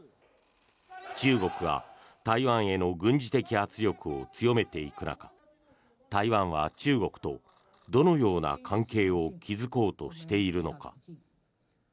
中国が台湾への軍事的圧力を強めていく中台湾は中国とどのような関係を築こうとしているのか。